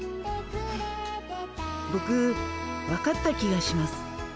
ボク分かった気がします。